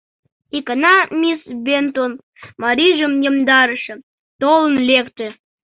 Икана миссис Бентон, марийжым йомдарыше, толын лекте.